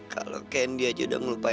kalau kayaknya dia juga udah melupainya